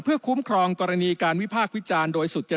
เพื่อคุ้มครองกรณีการวิพากษ์วิจารณ์โดยสุจริต